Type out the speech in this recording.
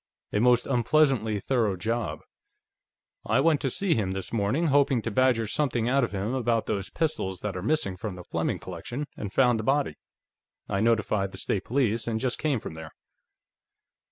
A most unpleasantly thorough job. I went to see him this morning, hoping to badger something out of him about those pistols that are missing from the Fleming collection, and found the body. I notified the State Police, and just came from there."